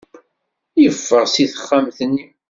Yeffeɣ seg texxamt-nni.